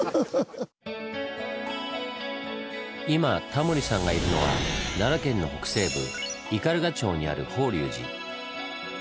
今タモリさんがいるのは奈良県の北西部斑鳩町にある法隆寺。